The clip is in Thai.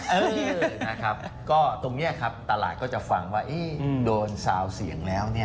เออนะครับก็ตรงนี้ครับตลาดก็จะฟังว่าโดนซาวเสียงแล้ว